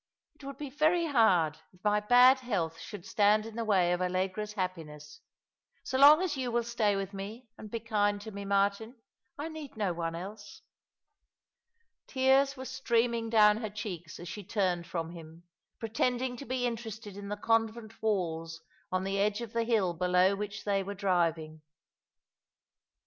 It would bo very hard if my bad health should stand in the way of Allegra's happiness. So long as you will stay with me and be kind to me, Martin, I need no one else." Tears were streaming down her cheeks as she turned from him, pretending to be interested in the convent walls on the edge of the hill below which they were driving.